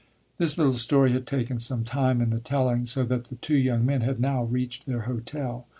This little story had taken some time in the telling, so that the two young men had now reached their hotel.